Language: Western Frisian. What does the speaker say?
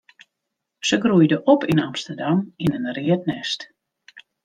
Se groeide op yn Amsterdam yn in read nêst.